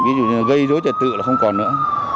ví dụ như gây dối trật tự là không còn nữa